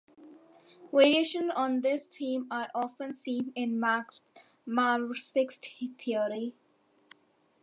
Variations on this theme are often seen in Marxist theory.